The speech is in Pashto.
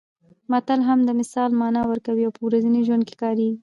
متل هم د مثال مانا ورکوي او په ورځني ژوند کې کارېږي